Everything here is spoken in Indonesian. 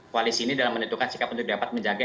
koalisi ini dalam menentukan sikap untuk dapat menjaga